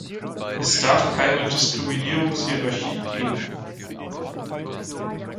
Es darf keine Diskriminierungshierarchie geben.